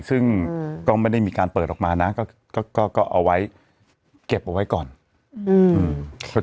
ซึ่งก็ไม่ได้มีการเปิดออกมานะก็ก็ก็ก็เอาไว้เก็บเอาไว้ก่อนอืม